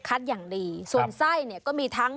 ก่อนเขาไม่มีการทำขาย